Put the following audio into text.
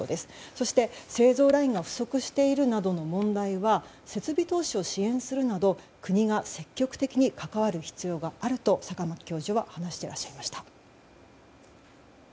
そして、製造ラインが不足しているなどの問題は設備投資を支援するなど国が積極的に関わる必要があると坂巻教授は話していらっしゃいました。